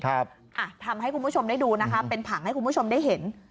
อ่ะทำให้คุณผู้ชมได้ดูนะคะเป็นผังให้คุณผู้ชมได้เห็น